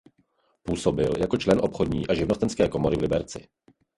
Působil jako člen obchodní a živnostenské komory v Liberci.